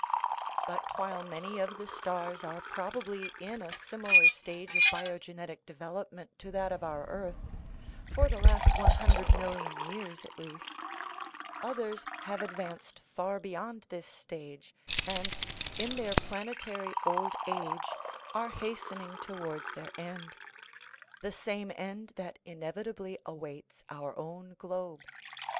But while many of the stars are probably in a sim ilar stage of biogenetic development to that of our earth (for the last one hundred million years at least), others have advanced far beyond this stage, and, in their plan etary old age, are hastening towards their end the same end that inevitably awaits our own globe.